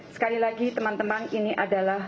sekali lagi teman teman ini adalah